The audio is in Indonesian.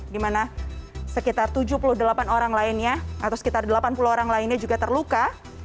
di mana sekitar tujuh puluh delapan orang lainnya atau sekitar delapan puluh orang lainnya juga terluka